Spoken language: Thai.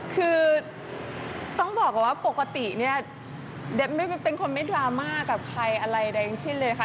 คือต้องบอกก่อนว่าปกติเนี่ยเป็นคนไม่ดราม่ากับใครอะไรใดทั้งสิ้นเลยค่ะ